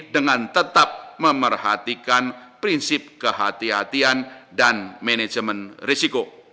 dengan tetap memerhatikan prinsip kehatian dan manajemen risiko